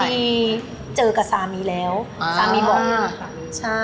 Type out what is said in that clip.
พอดีเจอกับสามีแล้วสามีบอก